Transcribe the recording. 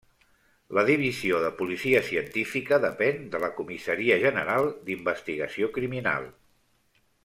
La Divisió de Policia Científica depèn de la Comissaria General d'Investigació Criminal.